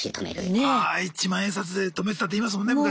ああ１万円札で止めてたっていいますもんね昔。